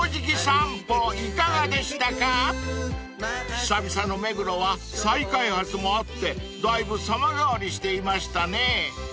［久々の目黒は再開発もあってだいぶ様変わりしていましたね］